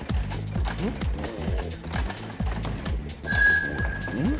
すごいな。